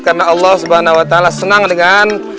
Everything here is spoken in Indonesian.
karena allah subhanahu wa ta'ala senang dengan